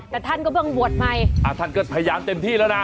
แต่ท่านก็เพิ่งบวชใหม่อ่าท่านก็พยายามเต็มที่แล้วนะ